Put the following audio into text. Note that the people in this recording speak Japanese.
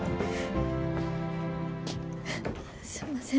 すんません